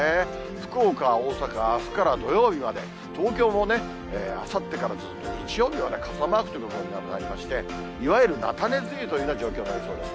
福岡、大阪、あすから土曜日まで、東京もあさってからずっと日曜日まで傘マークということになりまして、いわゆるなたね梅雨というような状況になりそうです。